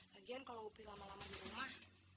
lagian kalau upi lama lama di rumah